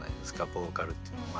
ボーカルっていうのは。